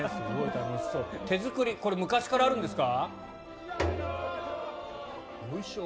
手作りでこれ、昔からあるんですか？